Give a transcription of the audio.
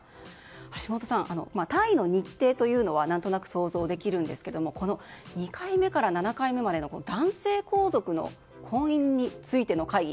橋本さん、退位の日程というのは何となく想像できるんですが２回目から７回目までの男性皇族の婚姻についての会議。